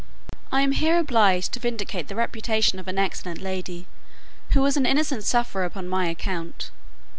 I am here obliged to vindicate the reputation of an excellent lady, who was an innocent sufferer upon my account.